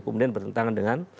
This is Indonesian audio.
kemudian bertentangan dengan